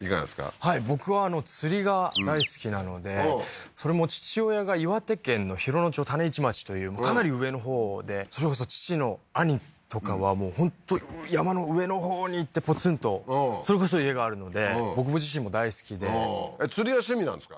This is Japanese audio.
はい僕は釣りが大好きなのでそれも父親が岩手県の洋野町種市町というかなり上のほうでそれこそ父の兄とかは本当山の上のほうに行ってポツンとそれこそ家があるので僕自身も大好きで釣りは趣味なんですか？